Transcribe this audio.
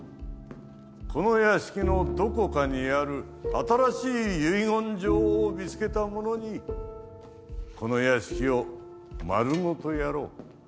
この屋敷のどこかにある新しい遺言状を見つけた者にこの屋敷を丸ごとやろう。